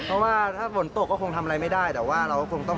เพราะว่าถ้าฝนตกก็คงทำอะไรไม่ได้แต่ว่าเราก็คงต้อง